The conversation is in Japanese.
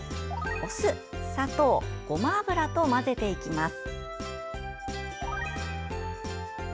お酢、砂糖、ごま油と混ぜていきます。